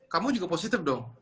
kamu juga positif dong